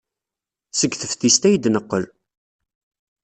Seg teftist ay d-neqqel.